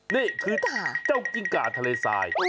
นี่คือกิ้งกะทะเลสาย